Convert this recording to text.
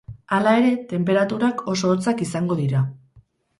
Hala ere, tenperaturak oso hotzak izango dira.